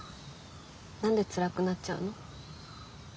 何でつらくなっちゃうの？